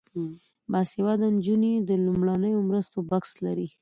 باسواده نجونې د لومړنیو مرستو بکس لري.